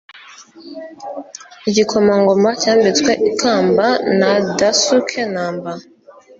igikomangoma cyambitswe ikamba na daisuke namba